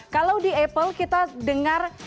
kalau di apple kita dengar